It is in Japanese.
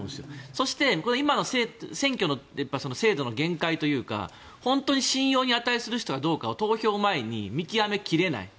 そして、今の選挙の制度の限界というか本当に信用に値する人か投票前に見極め切れない。